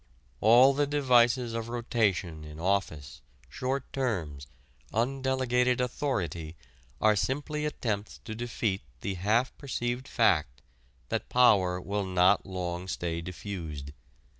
All the devices of rotation in office, short terms, undelegated authority are simply attempts to defeat the half perceived fact that power will not long stay diffused.